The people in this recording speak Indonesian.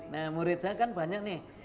nah muridnya kan banyak nih